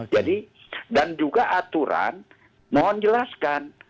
jadi dan juga aturan mohon jelaskan